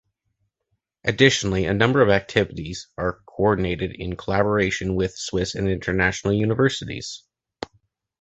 Additionally, a number of activities are co-ordinated in collaboration with Swiss and International Universities.